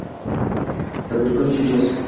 «Tadbirkor» tushunchasi